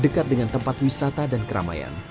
dekat dengan tempat wisata dan keramaian